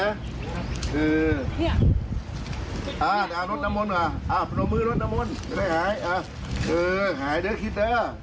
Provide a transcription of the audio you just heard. หายเร็วคิด